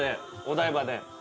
お台場で。